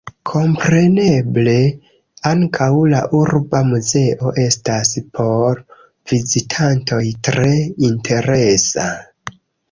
Kompreneble ankaŭ la urba muzeo estas por vizitantoj tre interesa.